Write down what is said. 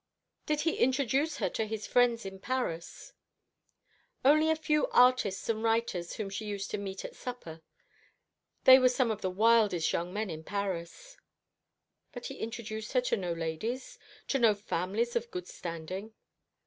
"Did he introduce her to his friends in Paris?" "Only a few artists and writers whom she used to meet at supper. They were some of the wildest young men in Paris." "But he introduced her to no ladies to no families of good standing?"